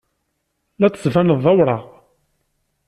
La d-tettbaneḍ d awraɣ.